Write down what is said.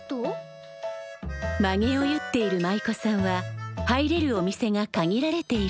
まげをゆっている舞妓さんは入れるお店が限られているのだ。